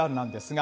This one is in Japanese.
が